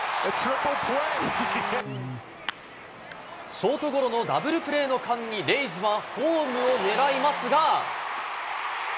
ショートゴロのダブルプレーの間にレイズはホームを狙いますが。